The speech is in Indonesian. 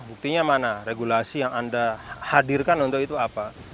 buktinya mana regulasi yang anda hadirkan untuk itu apa